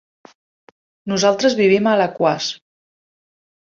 Nosaltres vivim a Alaquàs.